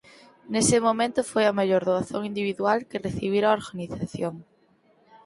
Nese momento foi a maior doazón individual que recibira a organización.